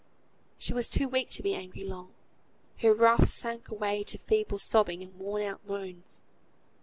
She was too weak to be angry long; her wrath sank away to feeble sobbing and worn out moans.